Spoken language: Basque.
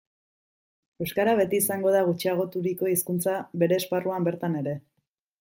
Euskara beti izango da gutxiagoturiko hizkuntza bere esparruan bertan ere.